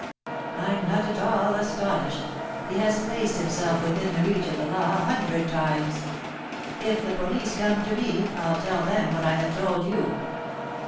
"I'm not at all astonished. He has placed himself within the reach of the law a hundred times. If the police come to me, I'll tell them what I have told you.